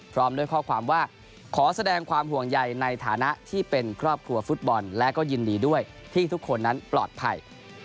พร้อมด้วยข้อความว่าขอแสดงความห่วงใยในฐานะที่เป็นครอบครัวฟุตบอลและก็ยินดีด้วยที่ทุกคนนั้นปลอดภัย